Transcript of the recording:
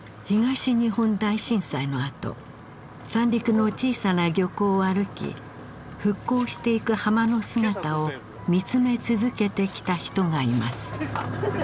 東日本大震災のあと三陸の小さな漁港を歩き復興していく浜の姿を見つめ続けてきた人がいます。